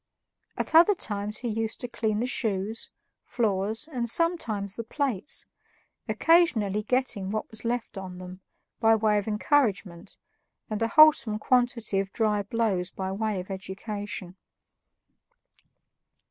At other times he used to clean the shoes, floors, and sometimes the plates, occasionally getting what was left on them, by way of encouragement, and a wholesome quantity of dry blows by way of education.